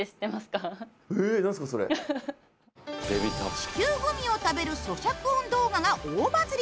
地球グミを食べるそしゃく音動画が大バズリ。